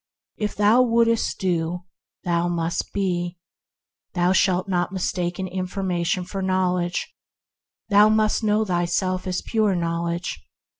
If thou wouldst do, thou must be. Thou shalt not mistake information for Knowledge; thou must know thyself as pure Knowledge.